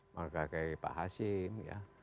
menghargai pak hashim ya